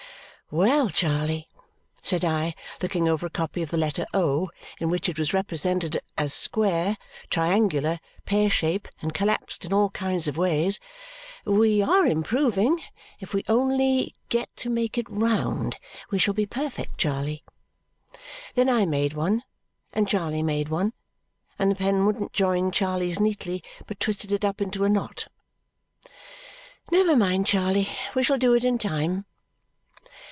"Well, Charley," said I, looking over a copy of the letter O in which it was represented as square, triangular, pear shaped, and collapsed in all kinds of ways, "we are improving. If we only get to make it round, we shall be perfect, Charley." Then I made one, and Charley made one, and the pen wouldn't join Charley's neatly, but twisted it up into a knot. "Never mind, Charley. We shall do it in time."